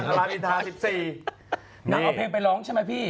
นางเอาเพลงไปร้องใช่มั้ยพี่